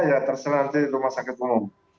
ya terserah nanti rumah sakit penuh